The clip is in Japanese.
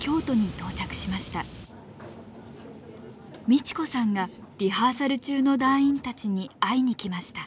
美智子さんがリハーサル中の団員たちに会いに来ました。